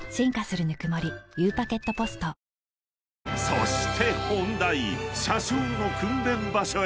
［そして本題］あ。